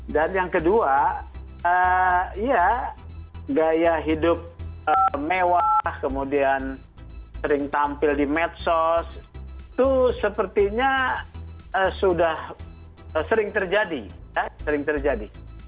dan yang kedua gaya hidup mewah kemudian sering tampil di medsos itu sepertinya sudah sering terjadi